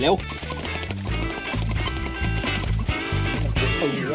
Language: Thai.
เฮ้ย